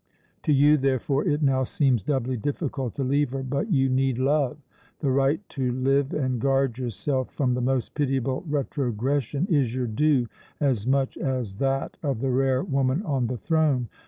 To you, therefore, it now seems doubly difficult to leave her, but you need love. The right to live and guard yourself from the most pitiable retrogression is your due, as much as that of the rare woman on the throne.